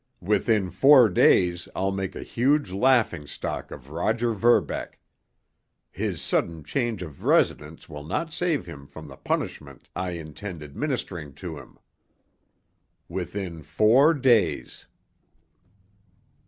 Within four days I'll make a huge laughingstock of Roger Verbeck. His sudden change of residence will not save him from the punishment I intend administering to him. Within four days!